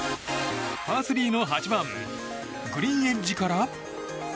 パー３の８番グリーンエッジから。